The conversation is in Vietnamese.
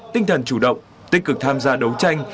tinh thần chủ động tích cực tham gia đấu tranh